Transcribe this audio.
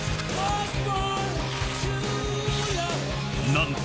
［何と］